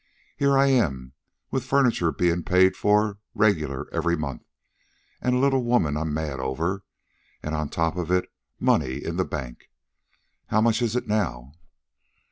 Here I am, with furniture being paid for regular every month, and a little woman I'm mad over, and on top of it money in the bank. How much is it now?"